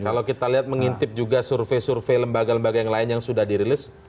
kalau kita lihat mengintip juga survei survei lembaga lembaga yang lain yang sudah dirilis